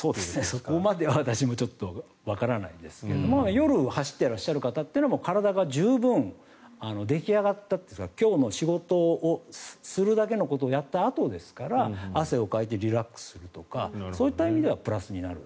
そこまでは私もちょっとわからないですが夜走ってらっしゃる方というのは体が十分に出来上がった今日の仕事をするだけのことをやったあとですから汗をかいてリラックスするとかそういった意味ではプラスになる。